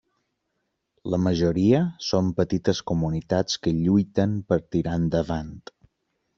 La majoria són petites comunitats que lluiten per tirar endavant.